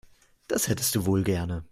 Das hättest du wohl gerne.